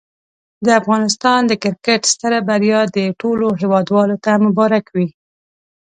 د افغانستان د کرکټ ستره بریا دي ټولو هېوادوالو ته مبارک وي.